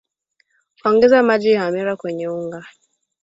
ongeza maji ya hamira kwenye unga